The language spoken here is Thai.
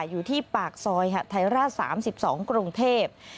อยู่ที่ปากซอยหัดไทยราช๓๒กรุงเทพ